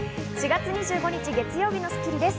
４月２５日、月曜日の『スッキリ』です。